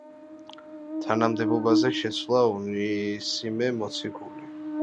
თანამდებობაზე შეცვალა ონისიმე მოციქული.